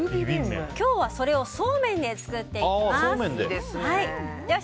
今日はそれをそうめんで作っていきます。